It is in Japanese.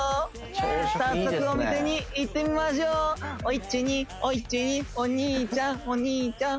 早速お店に行ってみましょうおいっちにおいっちにお兄ちゃんお兄ちゃん